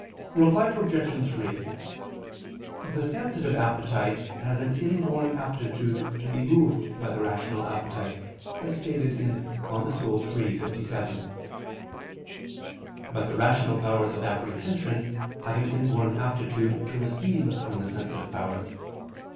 Reply Obj. 3: The sensitive appetite has an inborn aptitude to be moved by the rational appetite, as stated in De Anima iii, text. 57: but the rational powers of apprehension have an inborn aptitude to receive from the sensitive powers.